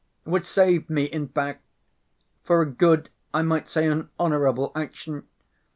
would save me, in fact ... for a good, I might say an honorable action....